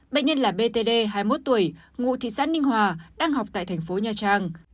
bệnh nhân là btd hai mươi một tuổi ngụ thị xã ninh hòa đang học tại thành phố nha trang